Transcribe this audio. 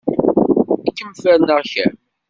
Ad kem-ferneɣ kemm!